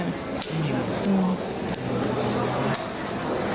ไม่มีเลย